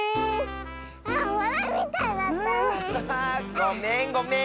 ごめんごめん！